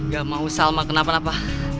gak mau salma kenapa napa